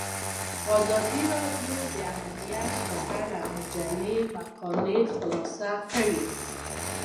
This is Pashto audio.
ازادي راډیو د امنیت په اړه د مجلو مقالو خلاصه کړې.